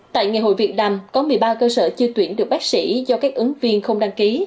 tại ngày hội việt nam có một mươi ba cơ sở chưa tuyển được bác sĩ do các ứng viên không đăng ký